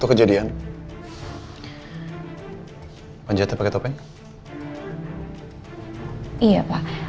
apa yang kamu inginkan dengan zana